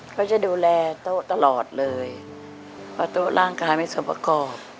เขาจะดูแลโต๊ะตลอดเลยเพราะโต๊ะร่างกายไม่สมประกอบ